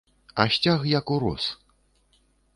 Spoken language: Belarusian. А сцяг як урос.